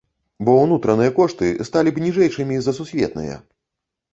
Бо ўнутраныя кошты сталі б ніжэйшымі за сусветныя.